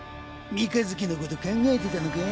三日月のこと考えてたのか？